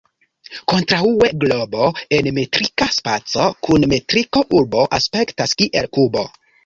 Kontraŭe, globo en metrika spaco kun metriko "urbo" aspektas kiel kubo.